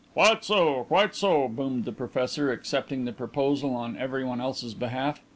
"Quite so; quite so," boomed the professor, accepting the proposal on everyone else's behalf.